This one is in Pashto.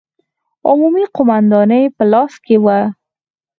عمومي قومانداني په لاس کې وه.